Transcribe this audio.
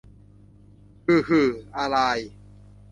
หึหึอาราย